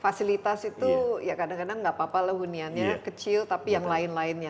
fasilitas itu ya kadang kadang nggak apa apa lah huniannya kecil tapi yang lain lainnya